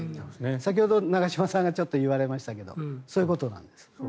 先ほど長嶋さんが言われましたけどもそういうことなんです。